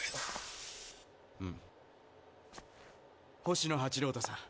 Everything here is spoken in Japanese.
星野八郎太さん